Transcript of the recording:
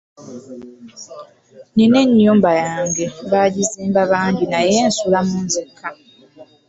Nina ennyumba yange baagizimba bangi naye nsulamu nzekka.